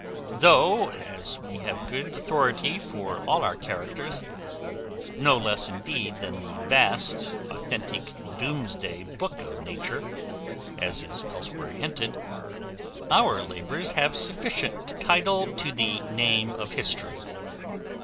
Though, as we have good authority for all our characters, no less indeed than the vast authentic doomsday book of nature, as is elsewhere hinted, our labours have sufficient title to the name of history.